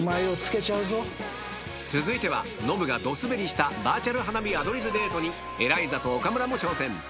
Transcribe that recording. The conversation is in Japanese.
続いてはノブがドすべりしたバーチャル花火アドリブデートにエライザと岡村も挑戦